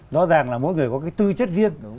chú ý rằng là mỗi người có cái tư chất riêng